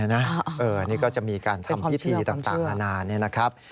นี่ก็จะมีการทำพิธีต่างนาน